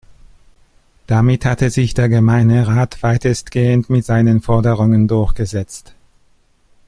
Damit hatte sich der Gemeine Rat weitestgehend mit seinen Forderungen durchgesetzt.